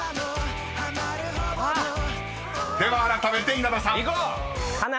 ［ではあらためて稲田さん］いこう！